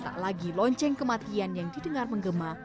tak lagi lonceng kematian yang didengar menggema